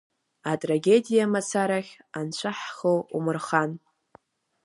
Атрагедиа мацарахь Анцәа ҳхы умырхан!